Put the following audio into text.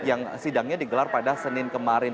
yang sidangnya digelar pada senin kemarin